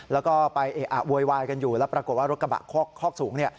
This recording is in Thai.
แล้วก็ไปเอะอะโวยวายกันอยู่แล้วปรากฏว่ารถกระบะคอกสูง